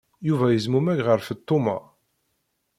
Yuba yezmumeg ɣer Feṭṭuma.